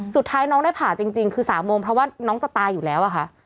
สุดท้ายน้องได้ผ่าจริงคือ๓โมงเพราะว่าน้องจะตายอยู่แล้วอะค่ะ